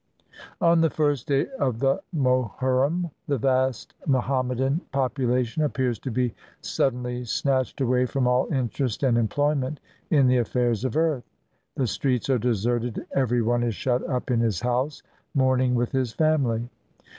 On the first day of the Mohurrim, the vast Moham 20I INDIA medan population appears to be suddenly snatched away from all interest and employment in the affairs of earth. The streets are deserted, every one is shut up in his house, mourning with his family.